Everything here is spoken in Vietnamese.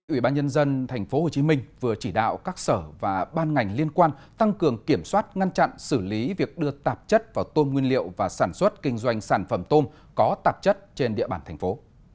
ủy ban nhân dân tp hcm vừa chỉ đạo các sở và ban ngành liên quan tăng cường kiểm soát ngăn chặn xử lý việc đưa tạp chất vào tôm nguyên liệu và sản xuất kinh doanh sản phẩm tôm có tạp chất trên địa bàn thành phố